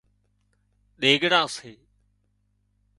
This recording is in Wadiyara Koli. ۮِيڳڙان سي